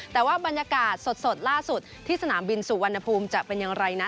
แต่ว่าบรรยากาศสดล่าสุดที่สนามบินสุวรรณภูมิจะเป็นอย่างไรนั้น